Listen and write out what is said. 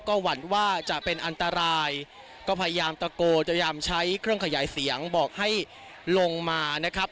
ก็หวั่นว่าจะเป็นอันตรายก็พยายามตะโกจะพยายามใช้เครื่องขยายเสียงบอกให้ลงมานะครับ